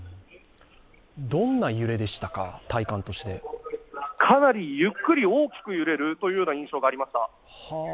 どんな揺れでしたか、体感としてかなりゆっくり大きく揺れるというような印象がありました。